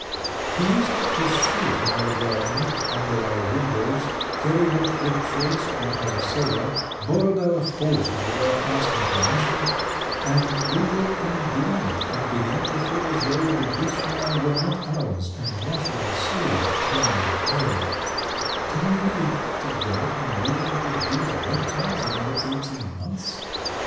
He used to shoot in our garden under our windows, carried off victuals from our cellar, borrowed our horses without asking permission, and we were indignant and began to feel as though Dubetchnya were not ours, and Masha would say, turning pale: "Can we really have to go on living with these reptiles another eighteen months?"